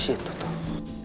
kalian dapat bekerja di wk hi